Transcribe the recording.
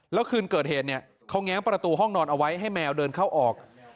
แล้วคืนเกิดเหตุเนี่ยเขาแง้มประตูห้องนอนเอาไว้ให้แมวเดินเข้าออก